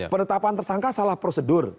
penetapan tersangka salah prosedur